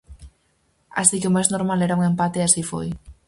Así que o máis normal era un empate e así foi.